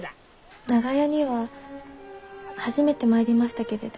長屋には初めて参りましたけれど。